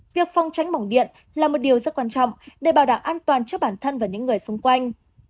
việc phong tránh bỏng điện là một điều rất quan trọng để bảo đảm an toàn cho bản thân và những người xung quanh